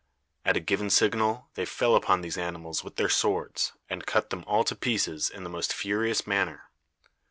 At a given signal they fell upon these animals with their swords, and cut them all to pieces in the most furious manner.